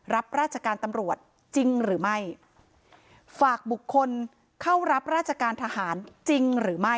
รับราชการตำรวจจริงฝากบุคคลเข้ารับราชการทหารจริง